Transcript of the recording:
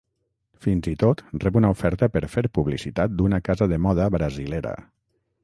Fins i tot rep una oferta per fer publicitat d'una casa de moda brasilera.